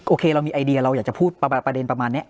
โอเคเรามีไอเดียเราอยากจะพูดประเด็นประมาณนี้